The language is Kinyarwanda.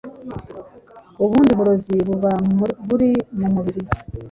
ubundi burozi buba buri mu mubiri.